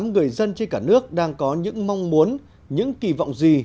người dân trên cả nước đang có những mong muốn những kỳ vọng gì